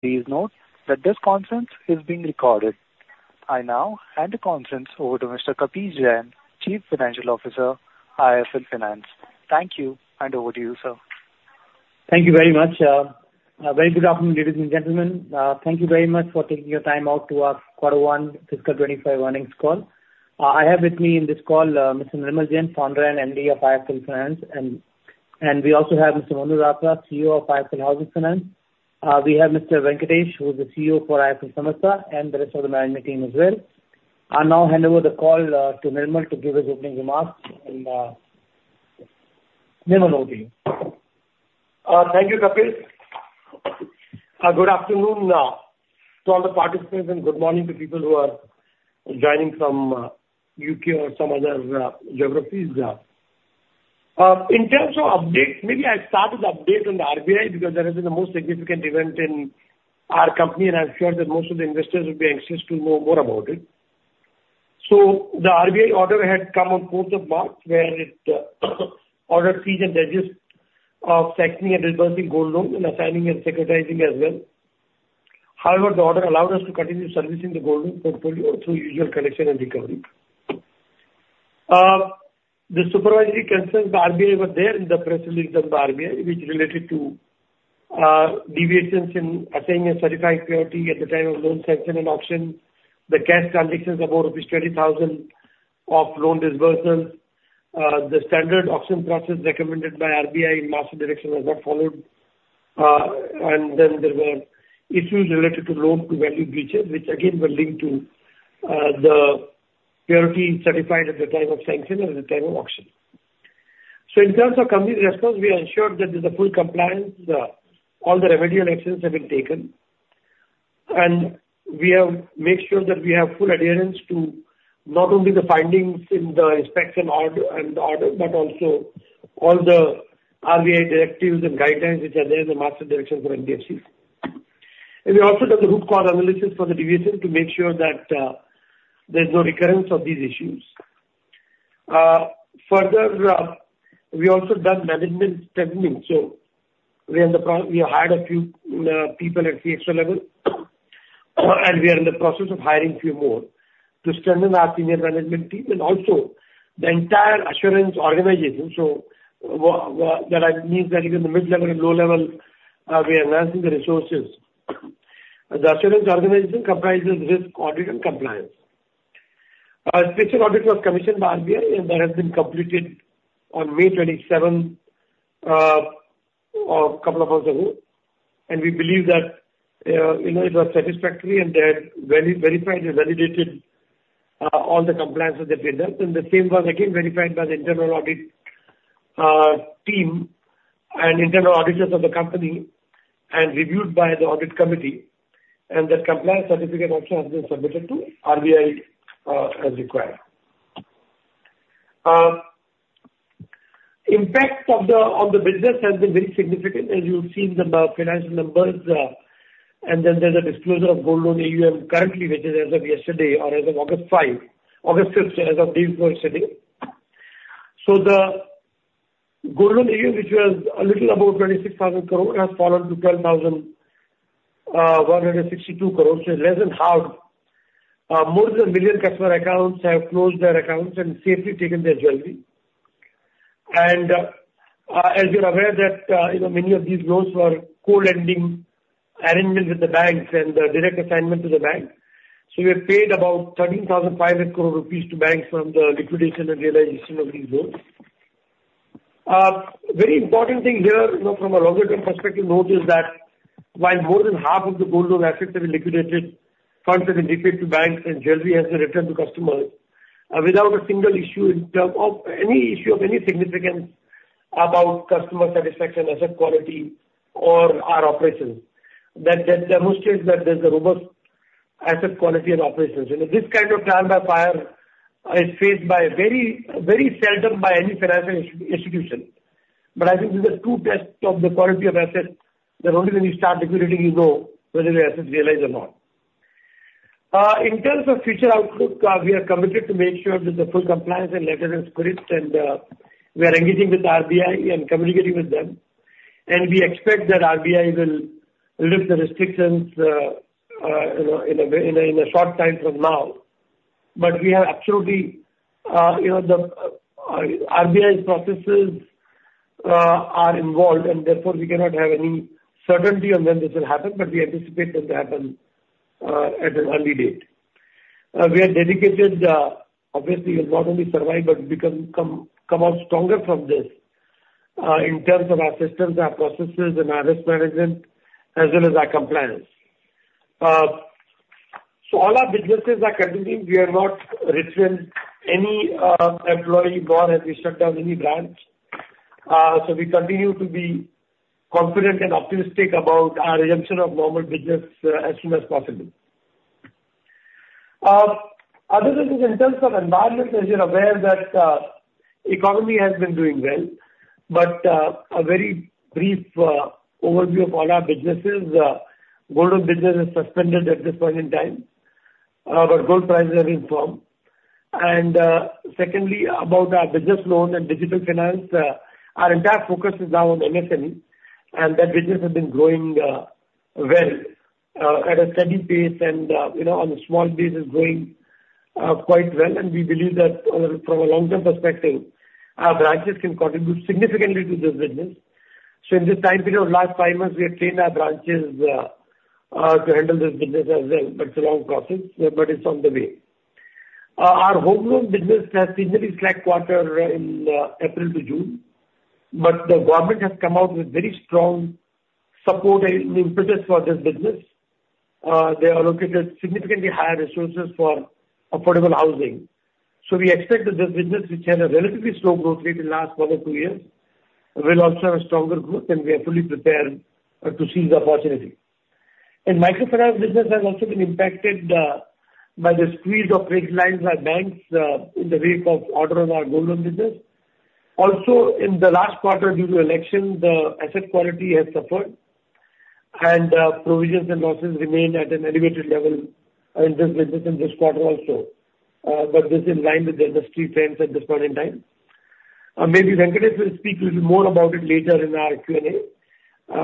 Please note that this conference is being recorded. I now hand the conference over to Mr. Kapish Jain, Chief Financial Officer, IIFL Finance. Thank you, and over to you, sir. Thank you very much. Very good afternoon, ladies and gentlemen. Thank you very much for taking your time out to our Quarter One Fiscal 2025 earnings call. I have with me in this call Mr. Nirmal Jain, founder and MD of IIFL Finance, and we also have Mr. Monu Ratra, CEO of IIFL Housing Finance. We have Mr. Venkatesh, who is the CEO for IIFL Samasta, and the rest of the management team as well. I'll now hand over the call to Nirmal to give his opening remarks, and Nirmal, over to you. Thank you, Kapish. Good afternoon to all the participants, and good morning to people who are joining from U.K. or some other geographies. In terms of updates, maybe I'll start with the update on the RBI because that has been the most significant event in our company, and I'm sure that most of the investors would be anxious to know more about it. The RBI order had come on 4th of March, where it ordered cease and desist from sanctioning and disbursing gold loans and assigning and securitizing as well. However, the order allowed us to continue servicing the gold portfolio through usual collection and recovery. The supervisory concerns of the RBI were there in the press release done by RBI, which related to deviations in assigning and certifying security at the time of loan sanction and auction, the cash transactions above rupees 20,000 of loan disbursement. The standard auction process recommended by RBI in Master Direction was not followed, and then there were issues related to loan-to-value glitches, which again were linked to the security certified at the time of sanction and at the time of auction. So in terms of company resources, we ensured that there's a full compliance. All the remedial actions have been taken, and we have made sure that we have full adherence to not only the findings in the inspection order but also all the RBI directives and guidelines which are there in the Master Direction for NBFC. And we also took the root cause analysis for the deviation to make sure that there's no recurrence of these issues. Further, we also done management training. We have hired a few people at CXO level, and we are in the process of hiring a few more to strengthen our senior management team and also the entire assurance organization. That means that even the mid-level and low-level, we are announcing the resources. The assurance organization comprises risk audit and compliance. The special audit was commissioned by RBI, and that has been completed on May 27th, a couple of months ago. We believe that it was satisfactory and that verified and validated all the compliances that we had done. The same was again verified by the internal audit team and internal auditors of the company and reviewed by the audit committee. That compliance certificate also has been submitted to RBI as required. Impact on the business has been very significant, and you'll see in the financial numbers, and then there's a disclosure of gold loan AUM currently, which is as of yesterday or as of August 5th, as of this Thursday. So the gold loan AUM, which was a little above 26,000 crore, has fallen to 12,162 crore, so less than half. More than 1 million customer accounts have closed their accounts and safely taken their jewelry. And as you're aware, many of these loans were co-lending arrangements with the banks and direct assignment to the bank. So we have paid about 13,500 crore rupees to banks from the liquidation and realization of these loans. Very important thing here, from a longer-term perspective, note is that while more than half of the gold loan assets have been liquidated, funds have been given to banks, and jewelry has been returned to customers without a single issue in terms of any issue of any significance about customer satisfaction, asset quality, or our operations. That demonstrates that there's a robust asset quality and operations. This kind of trial by fire is faced very seldom by any financial institution. But I think these are two tests of the quality of assets that only when you start liquidating, you know whether your assets realize or not. In terms of future outlook, we are committed to make sure there's a full compliance and legal and spirit, and we are engaging with RBI and communicating with them. We expect that RBI will lift the restrictions in a short time from now. But we have actually the RBI's processes are involved, and therefore we cannot have any certainty on when this will happen, but we anticipate it to happen at an early date. We are dedicated, obviously, we'll not only survive but come out stronger from this in terms of our systems, our processes, and our risk management, as well as our compliance. So all our businesses are continuing. We are not retrenching any employees or shutting down any branch. So we continue to be confident and optimistic about our resumption of normal business as soon as possible. Other than this, in terms of environment, as you're aware, the economy has been doing well. But a very brief overview of all our businesses. Gold loan business is suspended at this point in time, but gold prices have gone up. Secondly, about our business loan and digital finance, our entire focus is now on MSME, and that business has been growing well at a steady pace and on a small basis growing quite well. We believe that from a long-term perspective, our branches can contribute significantly to this business. In this time period of last five months, we have trained our branches to handle this business as well. It's a long process, but it's on the way. Our home loan business has seen a slack quarter in April to June, but the government has come out with very strong support and impetus for this business. They allocated significantly higher resources for affordable housing. So we expect that this business, which had a relatively slow growth rate in the last 1 or 2 years, will also have a stronger growth, and we are fully prepared to seize the opportunity. And microfinance business has also been impacted by the squeeze of credit lines by banks in the wake of orders on our gold loan business. Also, in the last quarter, due to election, the asset quality has suffered, and provisions and losses remained at an elevated level in this business in this quarter also. But this is in line with the industry trends at this point in time. Maybe Venkatesh will speak a little more about it later in our Q&A,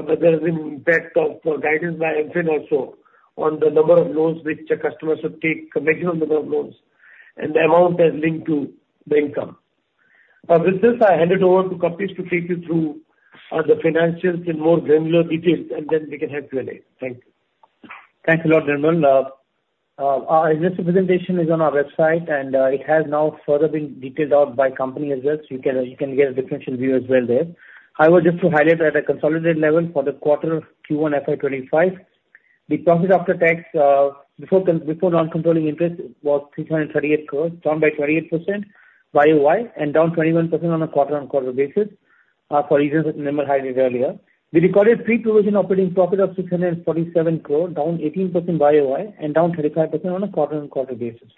but there has been impact of guidance by MFIN also on the number of loans which customers should take, the maximum number of loans, and the amount that's linked to the income. With this, I hand it over to Kapish to take you through the financials in more granular detail, and then we can have Q&A. Thank you. Thanks a lot, Nirmal. Our investor presentation is on our website, and it has now further been detailed out by company as well. So you can get a differential view as well there. I would just highlight at a consolidated level for the quarter Q1 FY25, the profit after tax before non-controlling interest was 338 crore, down 28% YoY, and down 21% on a quarter-on-quarter basis for reasons Nirmal highlighted earlier. We recorded pre-provision operating profit of 647 crore, down 18% YoY, and down 35% on a quarter-on-quarter basis.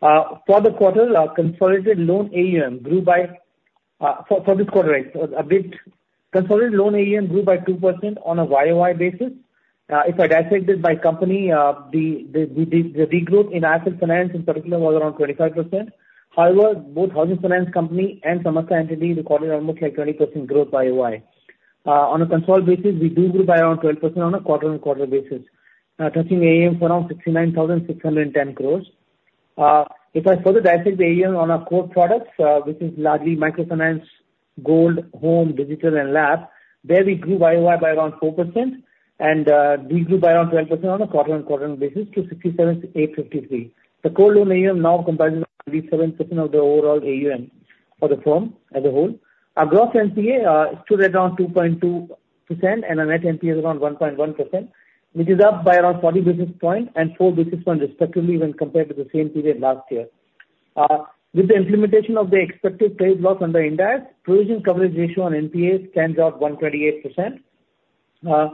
For the quarter, consolidated loan AUM grew by for this quarter, right? Consolidated loan AUM grew by 2% on a YoY basis. If I dissect it by company, the growth in asset finance in particular was around 25%. However, both housing finance company and Samastha entity recorded almost like 20% growth YoY. On a consolidated basis, we do grew by around 12% on a quarter-on-quarter basis, touching AUM of around 69,610 crore. If I further dissect the AUM on our core products, which is largely microfinance, gold, home, digital, and lab, there we grew by YoY by around 4%, and we grew by around 12% on a quarter-on-quarter basis to 57,853 crore. The core loan AUM now comprises 37% of the overall AUM for the firm as a whole. Our gross NPA stood at around 2.2%, and our net NPA is around 1.1%, which is up by around 40 basis points and 4 basis points respectively when compared to the same period last year. With the implementation of the expected credit loss on the book, provision coverage ratio on NPA stands at 128%. In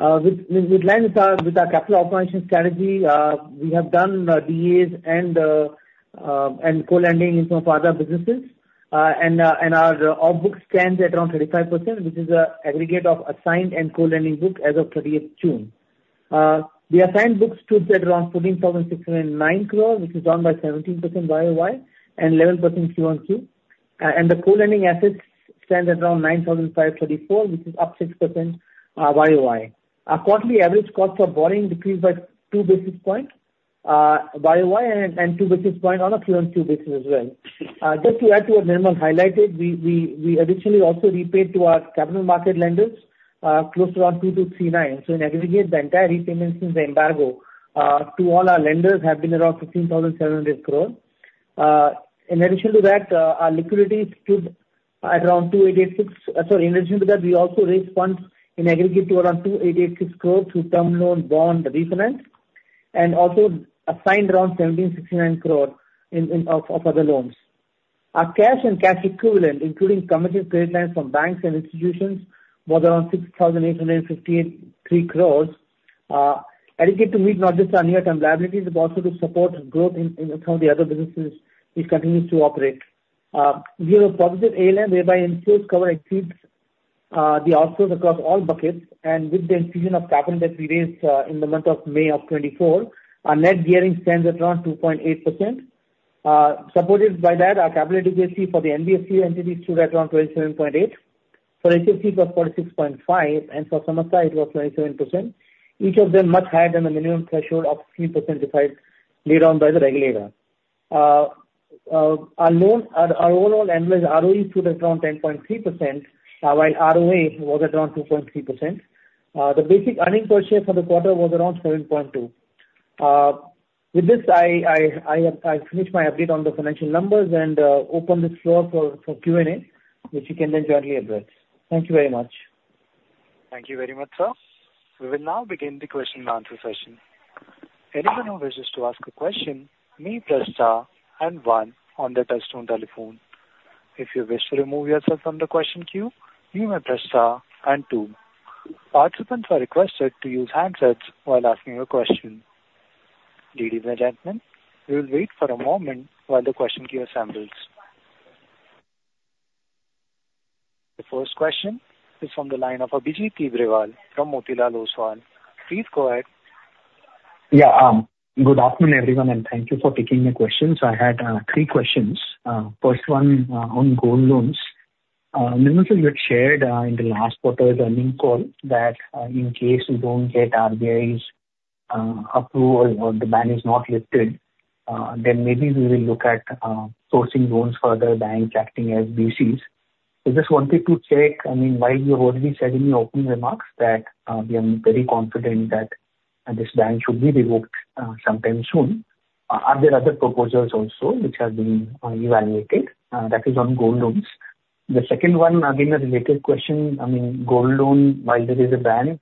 line with our capital allocation strategy, we have done DAs and co-lending for other businesses, and our off-book stands at around 35%, which is an aggregate of assigned and co-lending book as of 28th June. The assigned book stood at around 14,609 crore, which is down by 17% YoY and 11% QoQ. The co-lending assets stand at around 9,524 crore, which is up 6% YoY. Our quarterly average cost for borrowing decreased by 2 basis points YoY and 2 basis points on a QoQ basis as well. Just to add to what Nirmal highlighted, we additionally also repaid to our capital market lenders close to around 3,239 crore. So in aggregate, the entire repayments since the embargo to all our lenders have been around 15,700 crore. In addition to that, our liquidity stood at around 2,886 crore. Sorry, in addition to that, we also raised funds in aggregate to around 2,886 crore through term loan, bond, refinance, and also assigned around 17,609 crore of other loans. Our cash and cash equivalent, including commercial trade lines from banks and institutions, was around 6,858.3 crore, adequate to meet not just our near-term liabilities, but also to support growth in some of the other businesses which continues to operate. We have a positive ALM whereby NCS cover exceeds the outflows across all buckets. And with the infusion of capital that we raised in the month of May of 2024, our net gearing stands at around 2.8%. Supported by that, our capital efficiency for the NBFC entity stood at around 27.8%. For HFC, it was 46.5%, and for Samastha, it was 27%, each of them much higher than the minimum threshold of 15% defined later on by the regulator. Our overall annual ROE stood at around 10.3%, while ROA was at around 2.3%. The basic earnings per share for the quarter was around 7.2. With this, I finished my update on the financial numbers and open the floor for Q&A, which you can then join later on. Thank you very much. Thank you very much, sir. We will now begin the question and answer session. Anyone who wishes to ask a question needs to press star one on the touch-tone telephone. If you wish to remove yourself from the question queue, you may press star two. Participants are requested to use handsets while asking a question. Ladies and gentlemen, we will wait for a moment while the question queue assembles. The first question is from the line of Abhijit Tibrewal from Motilal Oswal. Please go ahead. Yeah, good afternoon, everyone, and thank you for taking your questions. I had three questions. First one, on gold loans. Nirmal Sahib had shared in the last quarter's earnings call that in case we don't get RBI's approval or the ban is not lifted, then maybe we will look at sourcing loans further, banks acting as BCs. I just wanted to check, I mean, while you've already said in your opening remarks that we are very confident that this ban should be revoked sometime soon. Are there other proposals also which are being evaluated? That is on gold loans. The second one, again, a related question. I mean, gold loan, while there is a ban,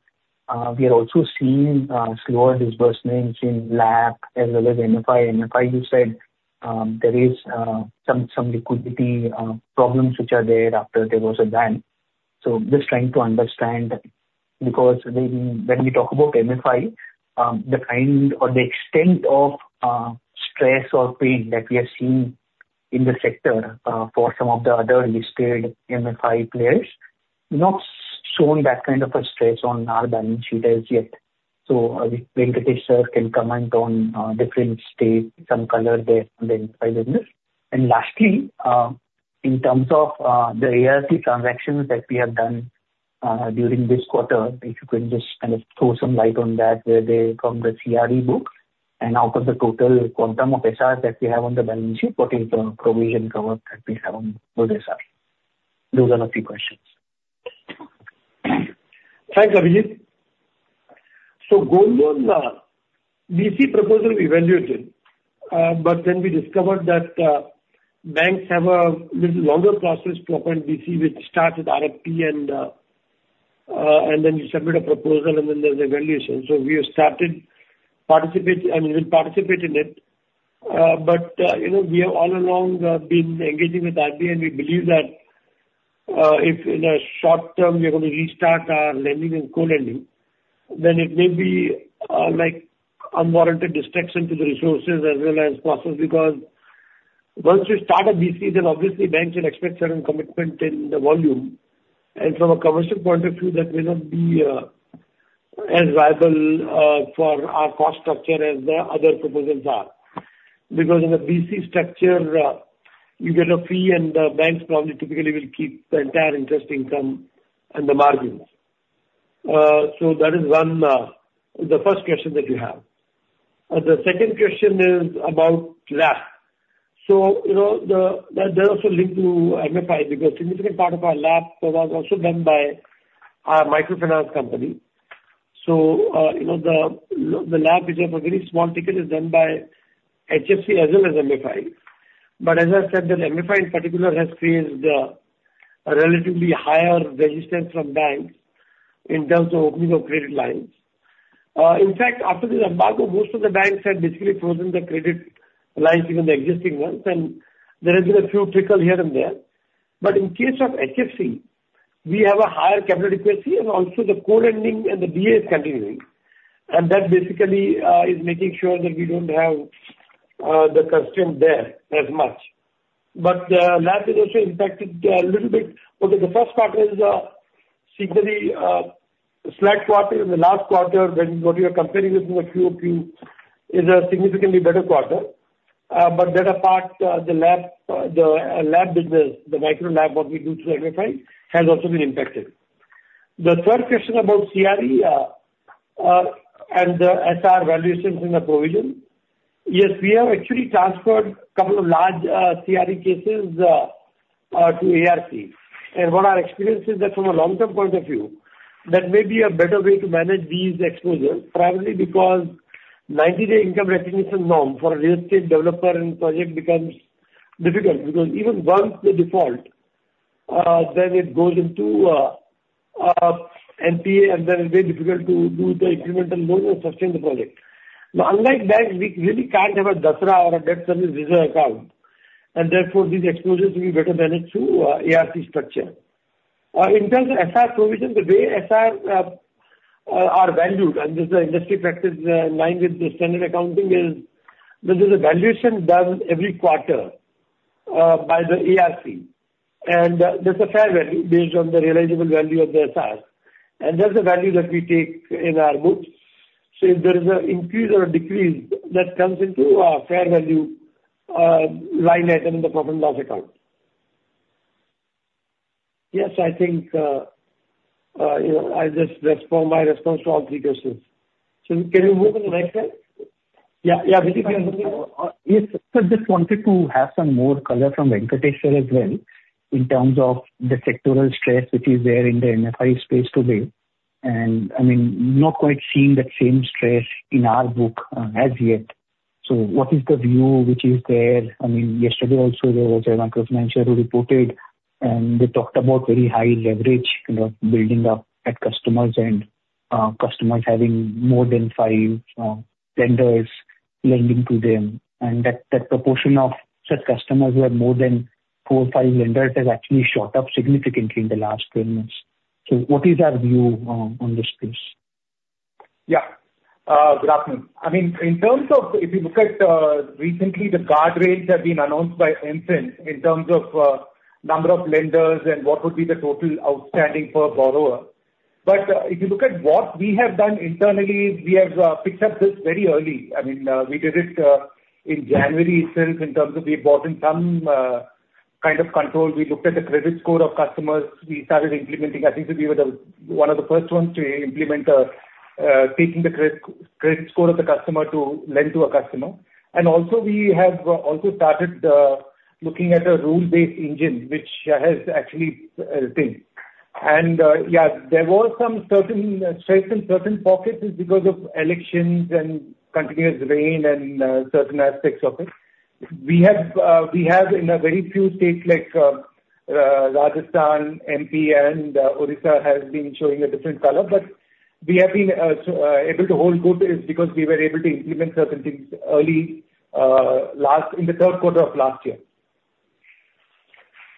we are also seeing slower disbursements in LAP as well as MFI. MFI, you said there is some liquidity problems which are there after there was a ban. So just trying to understand because when we talk about MFI, the kind or the extent of stress or pain that we are seeing in the sector for some of the other listed MFI players has not shown that kind of a stress on our balance sheet as yet. So Venkatesh sir can comment on different states, some color there, and then I'll end this. And lastly, in terms of the ART transactions that we have done during this quarter, if you can just kind of throw some light on that, where they come the CRE book and out of the total quantum of SR that we have on the balance sheet, what is the provision cover that we have on both SR? Those are the three questions. Thanks, Abhijit. So gold loan, we see proposal evaluated, but then we discovered that banks have a little longer process to open BC, which starts with RFP, and then you submit a proposal, and then there's evaluation. So we have started participating, I mean, we've participated in it, but we have all along been engaging with RBI, and we believe that if in the short term we are going to restart our lending and co-lending, then it may be like unwarranted destruction to the resources as well as process because once you start a BC, then obviously banks will expect certain commitment in the volume. And from a commercial point of view, that may not be as viable for our cost structure as the other proposals are because in the BC structure, you get a fee, and the banks probably typically will keep the entire interest income and the margin. So that is the first question that you have. The second question is about LAP. So that also linked to MFI because a significant part of our LAP was also done by our microfinance company. So the LAP, which has a very small ticket, is done by HFC as well as MFI. But as I said, the MFI in particular has created a relatively higher resistance from banks in terms of opening of credit lines. In fact, after the embargo, most of the banks had basically frozen their credit lines, even the existing ones, and there had been a few trickles here and there. But in case of HFC, we have a higher capital efficiency, and also the co-lending and the DAs continuing. And that basically is making sure that we don't have the constraint there as much. But the LAP is also impacted a little bit. Okay, the first quarter is a significantly soft quarter. In the last quarter, when what you are comparing with the QOQ is a significantly better quarter. But that apart, the LAP business, the micro LAP, what we do to MFI has also been impacted. The third question about CRE and the SR valuations in the provision, yes, we have actually transferred a couple of large CRE cases to ARC. And what our experience is, that's from a long-term point of view, that may be a better way to manage these exposures, primarily because 90-day income recognition norm for a real estate developer and project becomes difficult because even once they default, then it goes into NPA, and then it's very difficult to do the incremental loan or sustain the project. But unlike banks, we really can't have a DSRA or a debt service reserve account. And therefore, these exposures will be better managed through ARC structure. In terms of SR provision, the way SR are valued, and this is an industry practice in line with the standard accounting, is there's a valuation done every quarter by the ARC. And there's a fair value based on the realizable value of the SR. And that's the value that we take in our book. So if there is an increase or a decrease, that comes into a fair value line item in the profit and loss account. Yes, I think I just respond my response to all three questions. Can you move on the next slide? Yeah, Abhijit sir, if you just wanted to have some more color from Venkatesh sir as well in terms of the sectoral stress which is there in the MFI space today. I mean, not quite seeing that same stress in our book as yet. So what is the view which is there? I mean, yesterday also there was a bankrupt manager who reported, and they talked about very high leverage building up at customers and customers having more than 5 lenders lending to them. And that proportion of such customers who have more than 4 or 5 lenders has actually shot up significantly in the last 10 months. So what is our view on this piece? Yeah, good afternoon. I mean, in terms of if you look at recently, the guardrails have been announced by MFIN in terms of number of lenders and what would be the total outstanding per borrower. But if you look at what we have done internally, we have picked up this very early. I mean, we did it in January itself in terms of we brought in some kind of control. We looked at the credit score of customers. We started implementing, I think we were one of the first ones to implement taking the credit score of the customer to lend to a customer. And also, we have also started looking at a rule-based engine, which has actually things. And yeah, there were some certain stress in certain pockets because of elections and continuous rain and certain aspects of it. We have in a very few states like Rajasthan, MP, and Odisha have been showing a different color, but we have been able to hold good because we were able to implement certain things early in the third quarter of last year.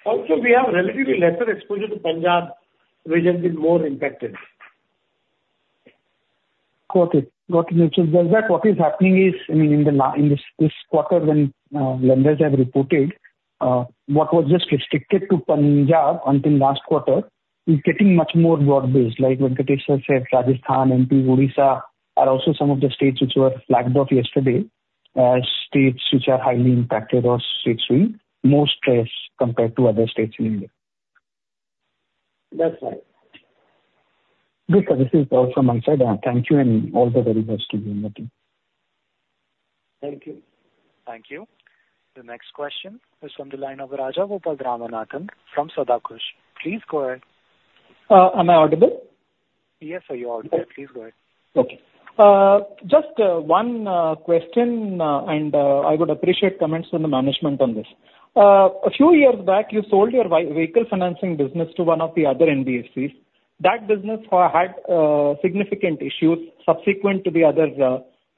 Also, we have relatively lesser exposure to Punjab, which has been more impacted. Got it. So what is happening is, I mean, in this quarter, when lenders have reported what was just restricted to Punjab until last quarter, it's getting much more broad-based. Like Venkatesh sir said, Rajasthan, MP, Odisha are also some of the states which were flagged off yesterday as states which are highly impacted or states with more stress compared to other states in India. That's fine. This is Paul from Amritsar. Thank you, and all the very first to be invited. Thank you. Thank you. The next question is from the line of Rajagopal Ramanathan from Centrum Broking. Please go ahead. Am I audible? Yes, sir, you're audible. Please go ahead. Okay. Just one question, and I would appreciate comments from the management on this. A few years back, you sold your vehicle financing business to one of the other NBFCs. That business had significant issues subsequent to the other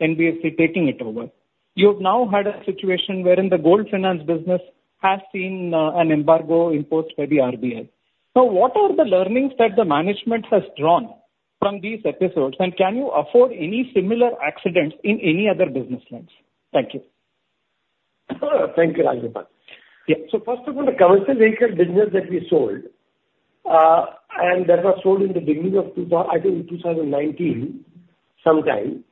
NBFC taking it over. You have now had a situation wherein the gold finance business has seen an embargo imposed by the RBI. So what are the learnings that the management has drawn from these episodes, and can you afford any similar accidents in any other business lines? Thank you. Thank you, Rajagopal. Yeah, so first of all, the commercial vehicle business that we sold and that was sold in the beginning of, I think, 2019 sometime.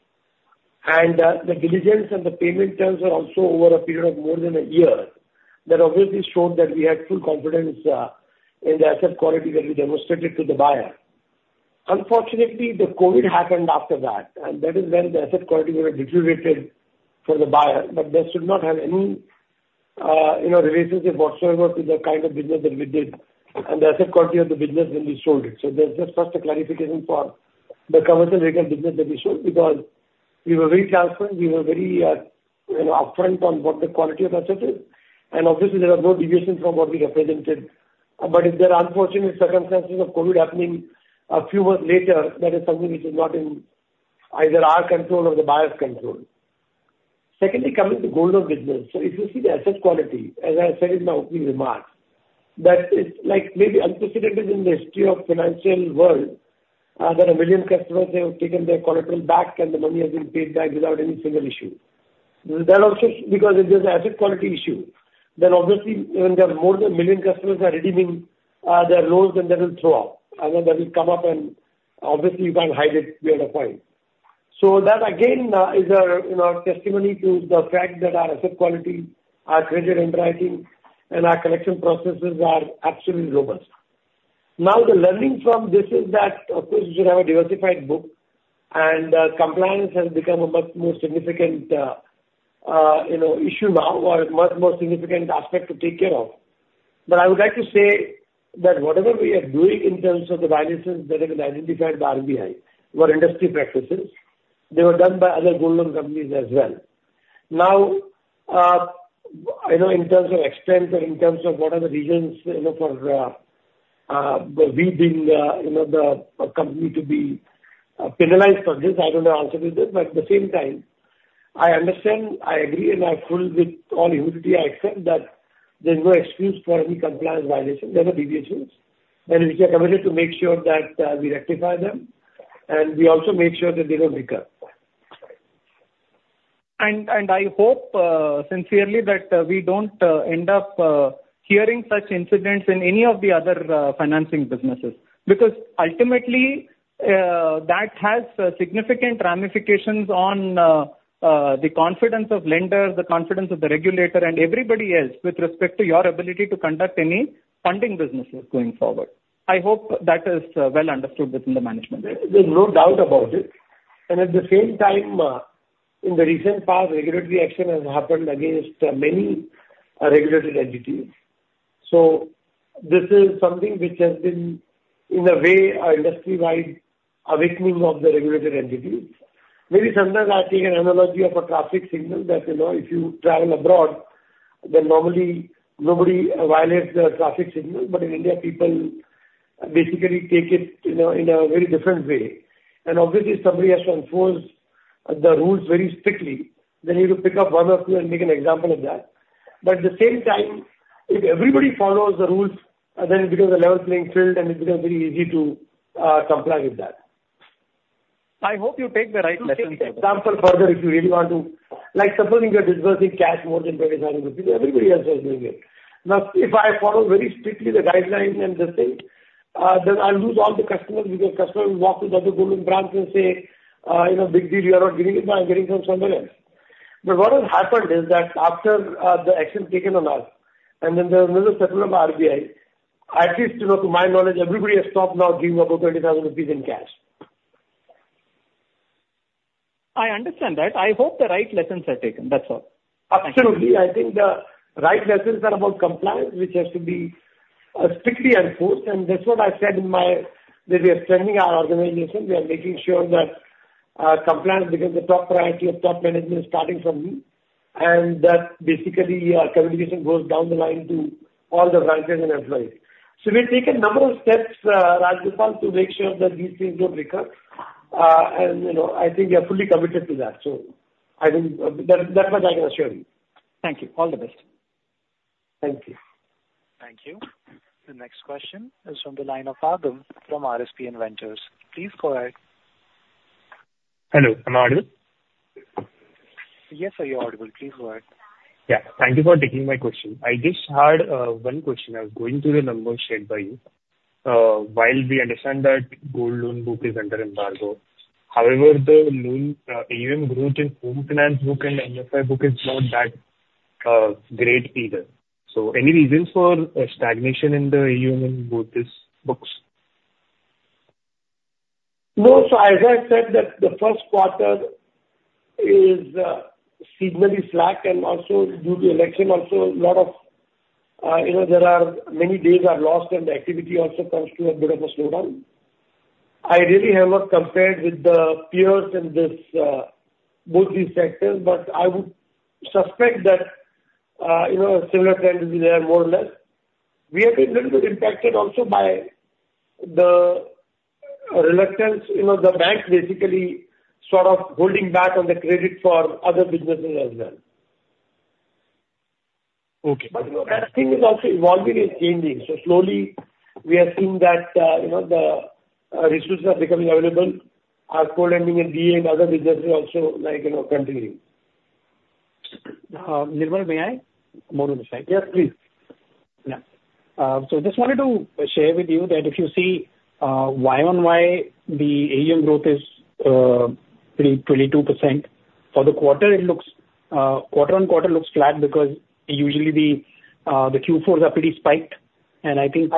The diligence and the payment terms were also over a period of more than a year. That obviously showed that we had full confidence in the asset quality that we demonstrated to the buyer. Unfortunately, the COVID happened after that, and that is when the asset quality was deteriorated for the buyer. This did not have any relationship whatsoever to the kind of business that we did and the asset quality of the business when we sold it. There's just first a clarification for the commercial vehicle business that we sold because we were very transparent. We were very upfront on what the quality of assets is. Obviously, there was no deviation from what we represented. But if there are unfortunate circumstances of COVID happening a few months later, that is something which is not in either our control or the buyer's control. Secondly, coming to gold loan business, so if you see the asset quality, as I said in my opening remark, that is like maybe unprecedented in the history of the financial world that 1 million customers have taken their gold back, and the money has been paid back without any single issue. That also because if there's an asset quality issue, then obviously when there are more than 1 million customers that are redeeming their loans, then they will show up. And then they will come out and obviously you'll find hidden NPAs or fines. So that again is our testimony to the fact that our asset quality, our credit underwriting, and our collection processes are absolutely robust. Now the learning from this is that of course you should have a diversified book, and compliance has become a much more significant issue now or a much more significant aspect to take care of. But I would like to say that whatever we are doing in terms of the violations that have been identified by RBI were industry practices. They were done by other gold loan companies as well. Now, in terms of extent and in terms of what are the reasons for the we being the company to be penalized for this, I don't know the answer to this. But at the same time, I understand, I agree, and I fully with all humility I accept that there's no excuse for any compliance violations. There are no deviations. And we are committed to make sure that we rectify them, and we also make sure that they don't recur. I hope sincerely that we don't end up hearing such incidents in any of the other financing businesses because ultimately that has significant ramifications on the confidence of lenders, the confidence of the regulator, and everybody else with respect to your ability to conduct any funding business going forward. I hope that is well understood within the management. There's no doubt about it. At the same time, in the recent past, regulatory action has happened against many regulatory entities. This is something which has been in a way an industry-wide awakening of the regulatory entities. Maybe sometimes I take an analogy of a traffic signal that if you travel abroad, then normally nobody violates the traffic signal. But in India, people basically take it in a very different way. Obviously, if somebody has to enforce the rules very strictly, they need to pick up one or two and make an example of that. But at the same time, if everybody follows the rules, then it becomes a level playing field, and it becomes very easy to comply with that. I hope you take the right lesson. For example, further, if you really want to, like supposing you are disbursing cash more than 25, everybody else is doing it. Now, if I follow very strictly the guideline and the thing, then I'll lose all the customers because customers will walk to the other gold loan brands and say, "Big deal, you are not giving it now, I'm getting it from somewhere else." But what has happened is that after the action taken on us, and then there's another circular of RBI, at least to my knowledge, everybody has stopped now giving over 20,000 rupees in cash. I understand that. I hope the right lessons are taken. That's all. Absolutely. I think the right lessons are about compliance, which has to be strictly enforced. That's what I've said in my that we are strengthening our organization. We are making sure that compliance becomes the top priority of top management starting from me. That basically our communication goes down the line to all the branches and employees. We've taken a number of steps, Rajpal, to make sure that these things don't recur. I think we are fully committed to that. That's what I can assure you. Thank you. All the best. Thank you. Thank you. The next question is from the line of Arjun from RSP Invest. Please go ahead. Hello, am I audible? Yes, sir, you're audible. Please go ahead. Yeah, thank you for taking my question. I just had one question. I was going to the number shared by you. While we understand that gold loan book is under embargo, however, the loan AUM growth in home finance book and NFI book is not that great either. So any reason for stagnation in the AUM in both these books? No, so as I said, that the first quarter is seemingly flat and also due to election, also a lot of there are many days are lost and the activity also comes to a bit of a slowdown. I really have not compared with the peers in both these sectors, but I would suspect that a similar trend will be there more or less. We have been a little bit impacted also by the reluctance, the banks basically sort of holding back on the credit for other businesses as well. But the thing is also evolving and changing. So slowly, we have seen that the resources are becoming available. Our co-lending and DA and other businesses also are continuing. Nirmal Jain, Monu Ratra. Yes, please. Just wanted to share with you that if you see Y on Y, the AUM growth is 22% for the quarter. Quarter-on-quarter looks flat because usually the Q4s are pretty spiked. I think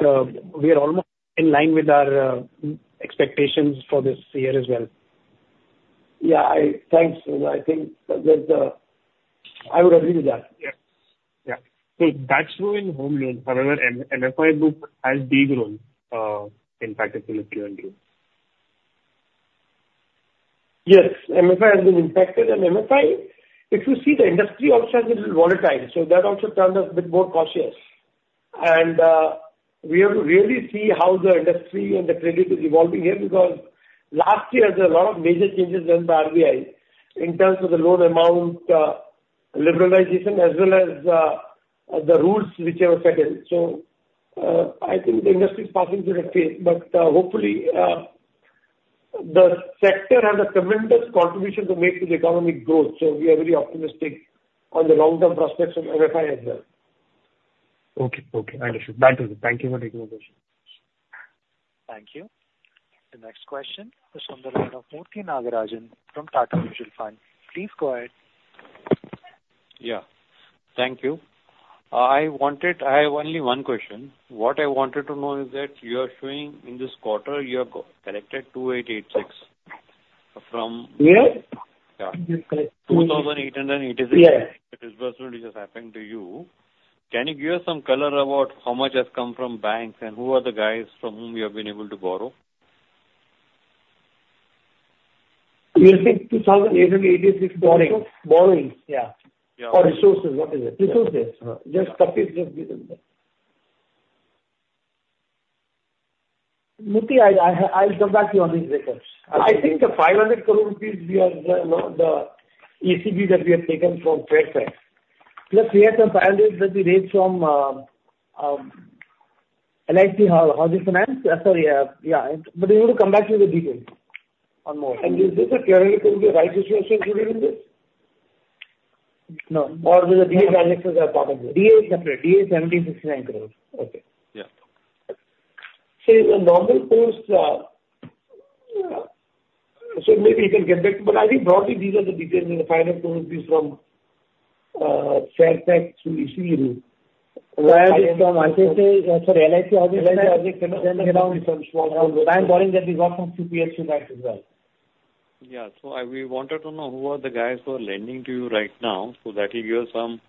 we are almost in line with our expectations for this year as well. Yeah, thanks. I think I would agree with that. Yeah. Back to Home Loan, however, MFI book has been grown, in particular, P&Q. Yes, MFI has been impacted. MFI, if you see the industry also has been volatile. That also turns us a bit more cautious. We have really seen how the industry and the credit is evolving here because last year, there were a lot of major changes done by RBI in terms of the loan amount liberalization as well as the rules which have settled. I think the industry is passing through the crater. Hopefully, the sector has a tremendous contribution to make to the economic growth. We are very optimistic on the long-term prospects of MFI as well. Okay, okay. Understood. Thank you for the information. Thank you. The next question is from the line of Murthy Nagarajan from Tata Mutual Fund. Please go ahead. Yeah, thank you. I have only one question. What I wanted to know is that you are showing in this quarter, you have collected 2,886 from 2,886 disbursement which is happening to you. Can you give us some color about how much has come from banks and who are the guys from whom you have been able to borrow? You said 2,886 borrowing? Yeah. Or resources, what is it? Resources. Just the fees? Murthy, I'll surprise you on these results. I think the 500 crore rupees is the ECB that we have taken from Fairfax. Plus, we had some parameters that we raised from LIC Finance. Sorry, yeah. But we will come back to the detail on more. Is this a theoretically right situation to be in this? No. Or with a DA transaction that is probably. DA is separate. DA is INR 7,069 crore. Okay. Yeah. So in normal course, so maybe you can get back to, but I think broadly, these are the details in the final proof from Fairfax issuing lawyer. Sorry, LIC Audit can get on. It's on small rounds. I'm worried that these are from two peers who guys do. Yeah. So we wanted to know who are the guys who are lending to you right now so that you give us some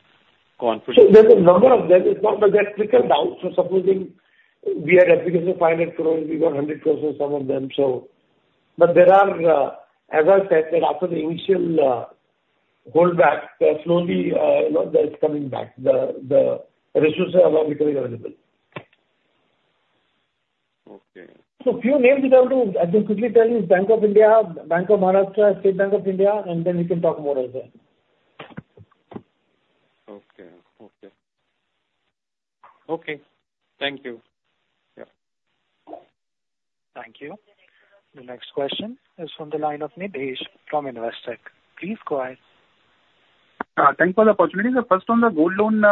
confidence. So there's a number of them. There's critical doubts. So supposing we are at 500 crore, we got 100 crore for some of them. So, but there are, as I said, after the initial holdback, slowly it's coming back. The resources are now becoming available. Okay. A few names that I would quickly tell you is Bank of India, Bank of Maharashtra, State Bank of India, and then we can talk more as well. Okay, okay. Okay, thank you. Yeah. Thank you. The next question is from the line of Nitesh from Investec. Please go ahead. Thanks for the opportunity. First on the Gold Loan,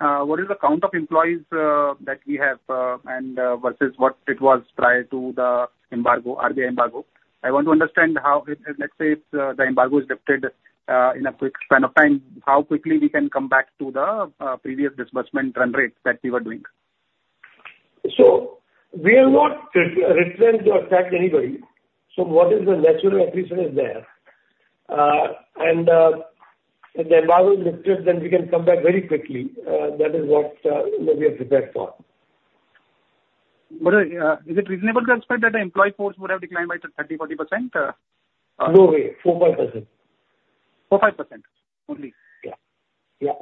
what is the count of employees that we have and versus what it was prior to the embargo, RBI embargo? I want to understand how, let's say the embargo is lifted in a quick span of time, how quickly we can come back to the previous disbursement run rate that we were doing. We have not refinanced or factored anybody. So, what is the natural attrition? Is there. If the embargo is lifted, then we can come back very quickly. That is what we are prepared for. Is it reasonable to expect that the employee force would have declined by 30%-40%? No way. 4%-5%. 4.5% only? Yeah. Yeah.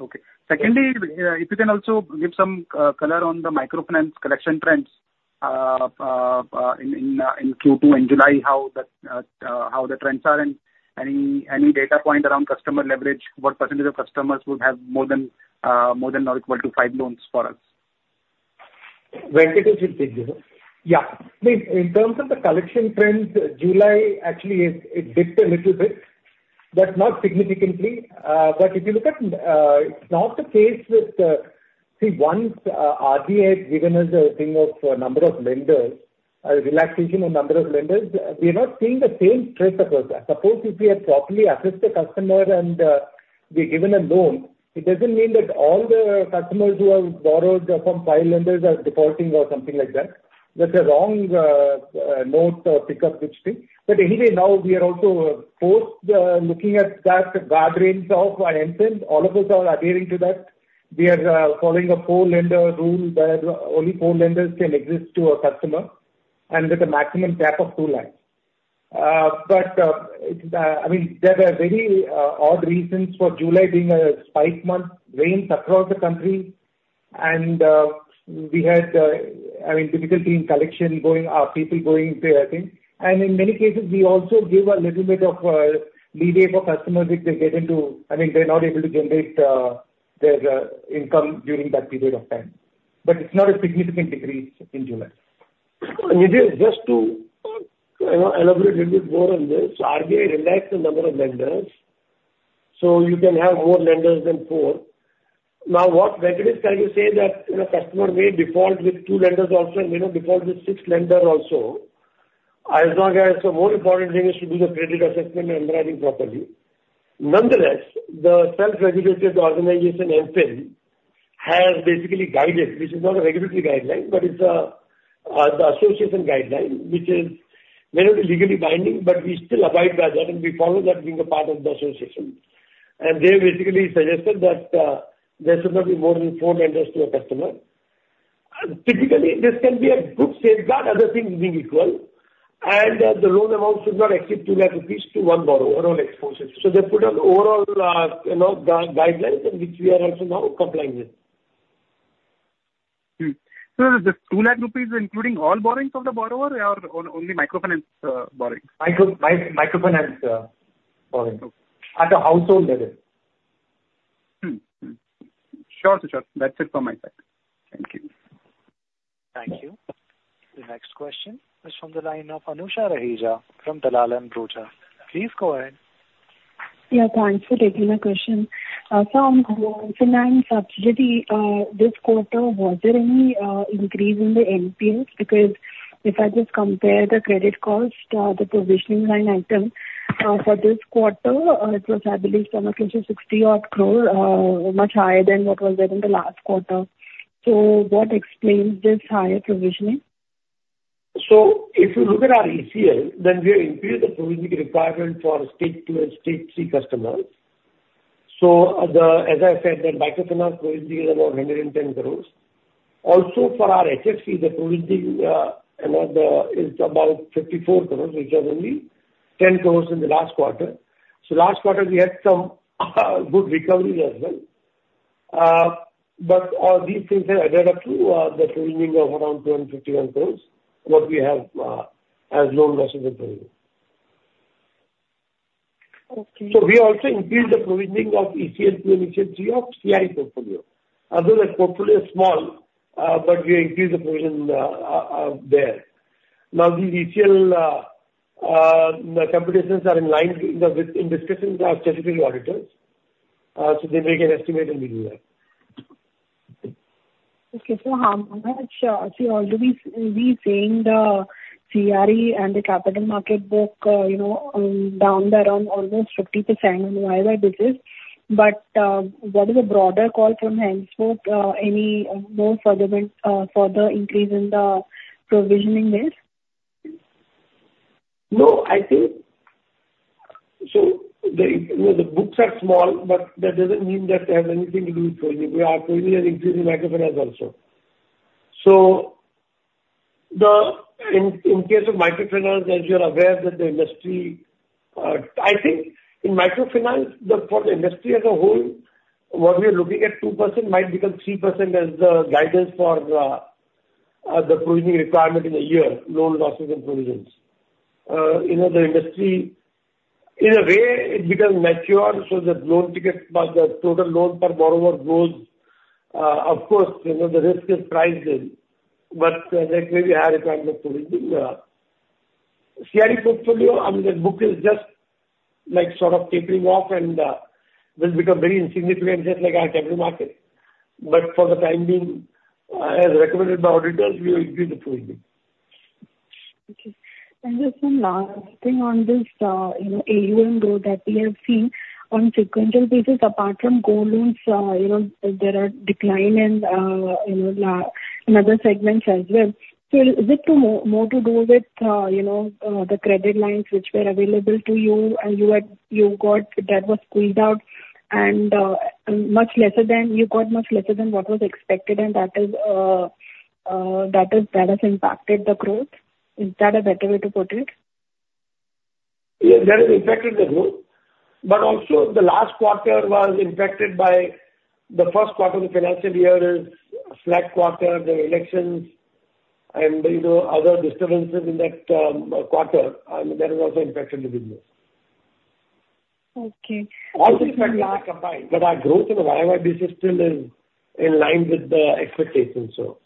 Okay. Secondly, if you can also give some color on the microfinance collection trends in Q2 in July, how the trends are and any data point around customer leverage, what percentage of customers would have more than or equal to five loans for us? When did you take this? Yeah. I mean, in terms of the collection trends, July, actually, it dipped a little bit, but not significantly. But if you look at, it's not the case. With, see, once RBI had given us a thing of a number of lenders, a relaxation on number of lenders, we have not seen the same trade cycle. Suppose if we had properly assessed the customer and we're given a loan, it doesn't mean that all the customers who have borrowed from five lenders are defaulting or something like that. That's a wrong note or pickup, which thing. But anyway, now we are also both looking at that guardrails of our end trend. All of us are adhering to that. We are following a four-lender rule that only four lenders can exist to a customer and with a maximum cap of two lines. But I mean, there are very odd reasons for July being a spike month, rains across the country, and we had, I mean, difficulty in collection going people going to things. In many cases, we also give a little bit of leeway for customers if they get into, I mean, they're not able to generate their income during that period of time. But it's not a significant decrease in July. Nitin, just to elaborate a little bit more on this, RBI relaxed the number of lenders. So you can have more lenders than four. Now, what mechanics can you say that a customer may default with two lenders also and may not default with six lenders also? As long as the more important thing is to do the credit assessment and everything properly. Nonetheless, the self-regulatory organization MFIN has basically guidance, which is not a regulatory guideline, but it's the association guideline, which is legally binding, but we still abide by that and we follow that being a part of the association. They basically suggested that there should not be more than four lenders to a customer. Typically, this can be a good safeguard, other thing being equal. The loan amount should not exceed 2 million-1 million rupees borrower overall exposure. They put out overall guidelines in which we are also now complying with. Is the 2 million rupees including all borrowings of the borrower or only microfinance borrowing? Microfinance borrowing. Okay. At the household level. Short to short. That's it from my side. Thank you. Thank you. The next question is from the line of Anusha Raheja from Dalal & Broacha. Please go ahead. Yeah, thanks for taking the question. So on home finance, actually, this quarter, was there any increase in the NPAs? Because if I just compare the credit cost, the provisioning line item, for this quarter, it was, I believe, 760 crore, much higher than what was there in the last quarter. So what explains this higher provisioning? So if you look at our ECL, then we have increased the provisioning requirement for state two and state three customers. So as I said, the microfinance provisioning is about 110 crores. Also, for our HFC, the provisioning is about 54 crore, which was only 10 crores in the last quarter. So last quarter, we had some good recoveries as well. But all these things have added up to the provisioning of around 251 crore, what we have as loan versus the provisioning. So we also increased the provisioning of ECL two and ECL three of CRE portfolio. Although that's hopefully small, but we increased the provision there. Now, these ECL computations are in line with Ind AS ECL category auditors. So then we can estimate in the year. Okay. So, Anusha, see, although we've seen the CRE and the capital market book down around almost 50% on YoY digits, but what is the broader call from HENCSBO? Any more further increase in the provisioning there? No, I think so the books are small, but that doesn't mean that there's anything to be provisioning. We are provisioning increasing microfinance also. So in case of microfinance, as you're aware that the industry, I think in microfinance, but for the industry as a whole, what we are looking at, 2% might become 3% as the guidance for the provisioning requirement in a year, loan losses and provisions. The industry, in a way, it becomes mature so that loan tickets by the total loan per borrower grows. Of course, the risk is rising, but that way we add a kind of provision. CRE book portfolio, I mean, the book is just sort of tapering off and will become very insignificant, just like our general market. But for the time being, as recommended by auditors, we will increase the provisioning. Okay. And just one last thing on this AUM growth that we have seen on fixed interest basis, apart from gold loans, there are decline in other segments as well. So is it more to do with the credit lines which were available to you? You got that was squeezed out and much lesser than you got much lesser than what was expected, and that has impacted the growth? Is that a better way to put it? Yeah, that has impacted the growth. But also, the last quarter was impacted by the first quarter of the financial year, flat quarter, the elections, and other disturbances in that quarter. I mean, that has also impacted the business. Okay. Also impacted that our growth in the YYBB system is in line with the expectations, so.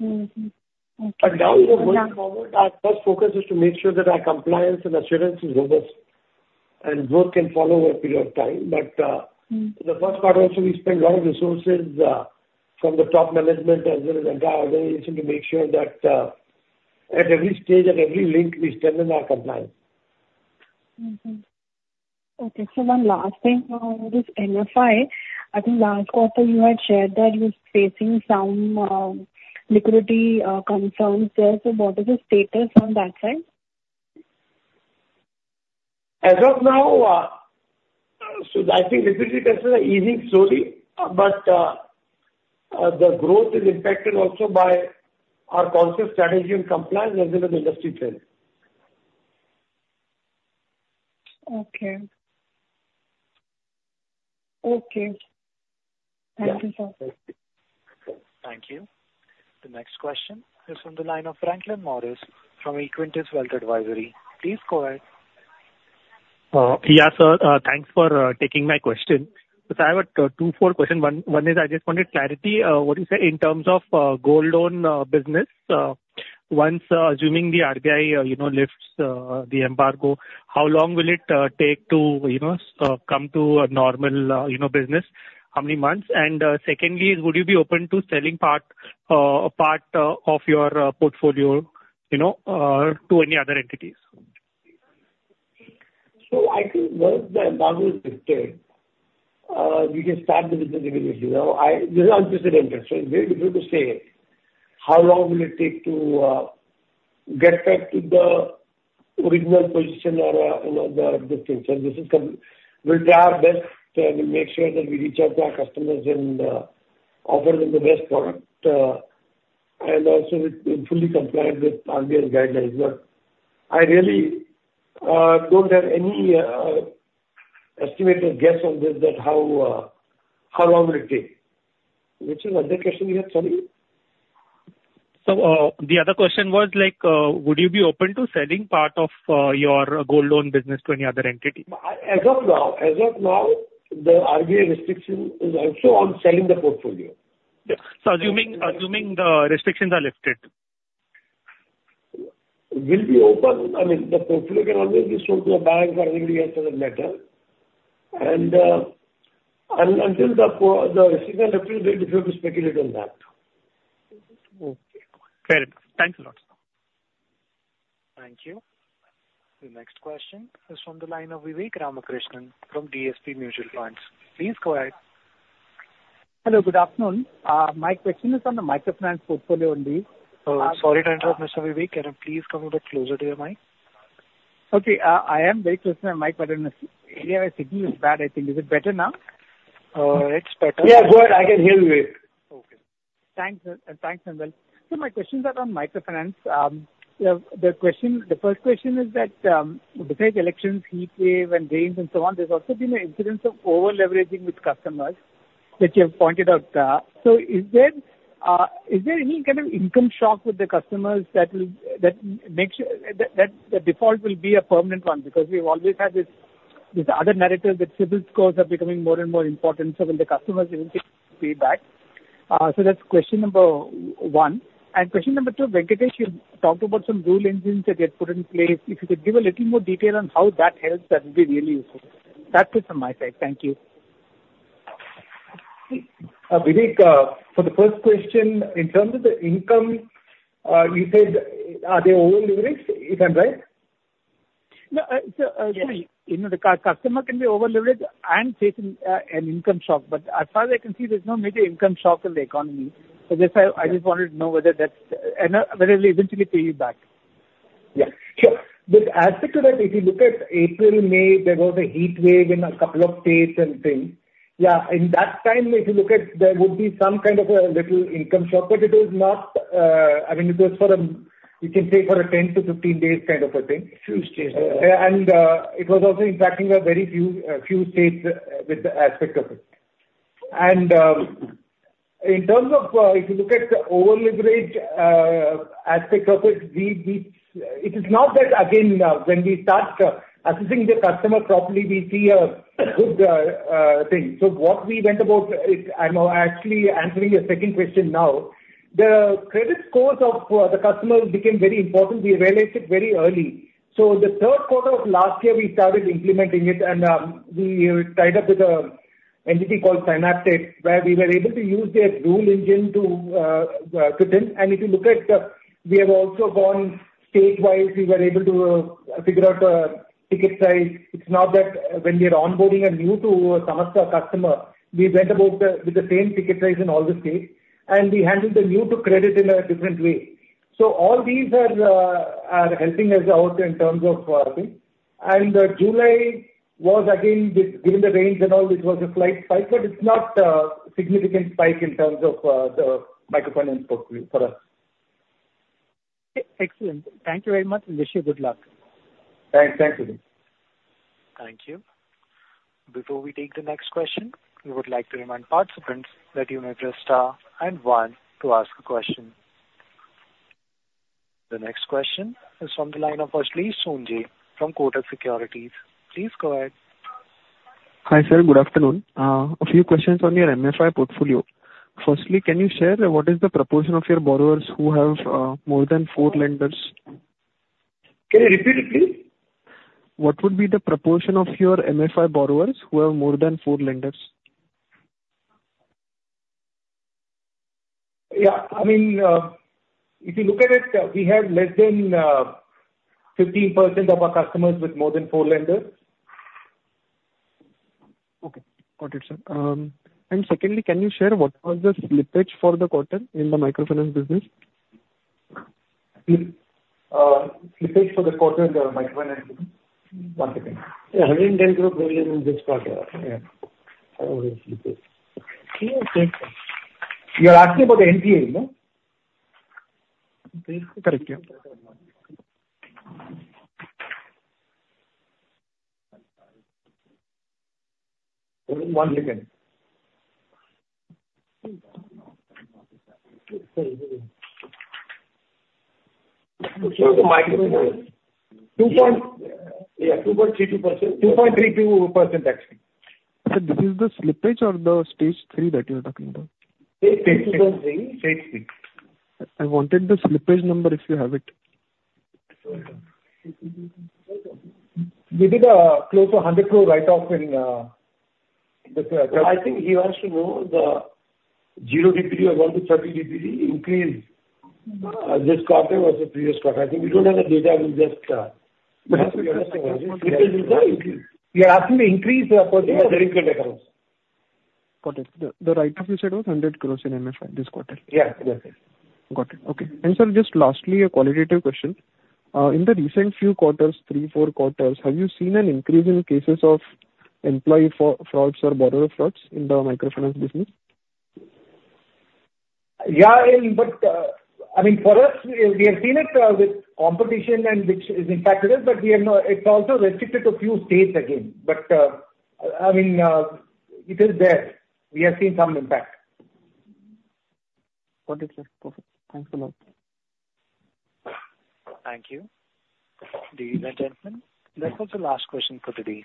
And now, going forward, our first focus is to make sure that our compliance and assurance is overseen and work can follow over a period of time. But the first part, actually, we spend a lot of resources from the top management as well as the entire organization to make sure that at every stage, at every link, we stand in our compliance. Okay. So one last thing now, just MFIN. I think last quarter, you had shared that you were facing some liquidity concerns there. So what is the status on that side? As of now, so I think liquidity concerns are easing slowly, but the growth is impacted also by our concerted strategy and compliance as well as the industry trend. Okay. Okay. Thank you. Thank you. The next question is from the line of Franklin Moraes from Equentis Wealth Advisory. Please go ahead. Yeah, sir, thanks for taking my question. So I have two, four questions. One is I just wanted clarity. What do you say in terms of gold loan business? Once assuming the RBI lifts the embargo, how long will it take to come to a normal business? How many months? And secondly, would you be open to selling a part of your portfolio to any other entities? So I think once the embargo is lifted, we can start the business again. This is interesting. We have to say, how long will it take to get back to the original position or the existing? So this is where they are best in making sure that we reach out to our customers and offer them the best product and also fully compliant with RBI's guidelines. I really don't have any estimated guess on this, that how long will it take? Which is another question we had, sorry? The other question was, would you be open to selling part of your gold loan business to any other entity? As of now, the RBI restriction is also on selling the portfolio. Yeah. So assuming the restrictions are lifted? Will be open. I mean, the portfolio can always be sold to a bank or anybody else as a lender. Until the restrictions are lifted, we will be speculating on that. Okay. Very good. Thanks a lot, sir. Thank you. The next question is from the line of Vivek Ramakrishnan from DSP Mutual Funds. Please go ahead. Hello, good afternoon. My question is on the microfinance portfolio only. Oh, sorry to interrupt, Mr. Vivek. Please come a bit closer to your mic. Okay. I am very close to my mic. But anyway, signal is bad, I think. Is it better now? It's better. Yeah, go ahead. I can hear you. Okay. Thanks, sir. And thanks as well. So my questions are on microfinance. The first question is that besides elections, heat wave and rains and so on, there's also been an incidence of over-leveraging with customers, which you have pointed out. So is there any kind of income shock with the customers that makes sure that the default will be a permanent one? Because we've always had this other narrative that CIBIL scores are becoming more and more important, so when the customers even pay back. So that's question number one. And question number two, Venkatesh, you talked about some rule engines that you had put in place. If you could give a little more detail on how that helps, that would be really useful. That's it from my side. Thank you. Vivek, for the first question, in terms of the income, you said they are over-leveraged, if I'm right? No. So the customer can be over-leveraged and facing an income shock. But as far as I can see, there's no major income shock in the economy. I just wanted to know whether that's whether they eventually pay you back? Yeah. Sure. With the aspect of that, if you look at April, May, there was a heat wave in a couple of states and things. Yeah. In that time, if you look at, there would be some kind of a little income shock, but it was not, I mean, it was for, you can say, for a 10-15 days kind of a thing. And it was also impacting very few states with the aspect of it. And in terms of, if you look at the over-leverage aspect of it, it is not that, again, when we start assessing the customer properly, we see a good thing. So what we went about, I'm actually answering your second question now. The credit scores of the customer became very important. We realized it very early. So the third quarter of last year, we started implementing it, and we tied up with an entity called Scienaptic, where we were able to use their rule engine to cut in. And if you look at, we have also gone statewide. We were able to figure out ticket size. It's not that when we are onboarding a new-to-Samastha customer, we went about with the same ticket size in all the states, and we handled the new-to-credit in a different way. So all these are helping us out in terms of things. And July was, again, given the range and all, it was a slight spike, but it's not a significant spike in terms of the microfinance portfolio for us. Excellent. Thank you very much, and wish you good luck. Thanks. Thank you. Thank you. Before we take the next question, we would like to remind participants that you may press star and one to ask a question. The next question is from the line of Ashley from Kotak Securities. Please go ahead. Hi sir, good afternoon. A few questions on your MFI portfolio. Firstly, can you share what is the proportion of your borrowers who have more than four lenders? Can you repeat it, please? What would be the proportion of your MFI borrowers who have more than four lenders? Yeah. I mean, if you look at it, we had less than 15% of our customers with more than four lenders. Okay. Got it, sir. Secondly, can you share what was the leakage for the quarter in the microfinance business? Leakage for the quarter in the microfinance business? One second. INR 110 crore provision in this quarter. Yeah. You're asking about the NPA, no? Correct. Yeah. One second. Sorry. Yeah, 2.32%. 2.32%, actually. This is the slippage or the stage three that you're talking about? Stage three. I wanted the slippage number if you have it. We did a close to 100 crore write-off in the. I think he wants to know the. Gross NPA was 1.33% this quarter vs previous quarter. I think we don't have the data just. That's interesting. You're asking the increase for the INR 13 crore. Got it. The write-off you said was 100 crore in MFI this quarter. Yeah. Got it. Okay. And sir, just lastly, a qualitative question. In the recent few quarters, three, four quarters, have you seen an increase in cases of employee frauds or borrower frauds in the microfinance business? Yeah, but I mean, for us, we have seen it with competition, and which is impacted us, but it's also restricted to a few states again. But I mean, it is there. We have seen some impact. Got it, sir. Perfect. Thanks a lot. Thank you. Dear Ladies and Gentlemen, this was the last question for today.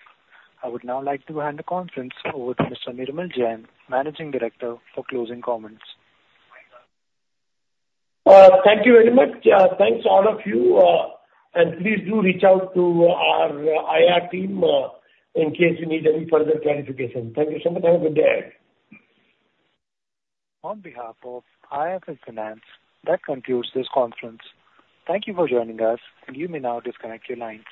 I would now like to hand the conference over to Mr. Nirmal Jain, Managing Director, for closing comments. Thank you very much. Yeah, thanks to all of you. Please do reach out to our IR team in case you need any further clarification. Thank you so much. Have a good day. On behalf of IIFL Finance, that concludes this conference. Thank you for joining us, and you may now disconnect your lines.